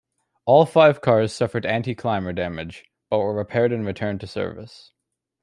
All five cars suffered anticlimber damage, but were repaired and returned to service.